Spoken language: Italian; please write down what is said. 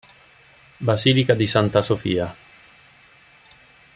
Basilica di Santa Sofia